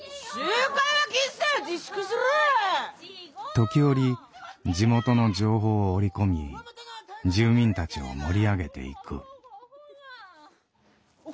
時折地元の情報を織り込み住民たちを盛り上げていく。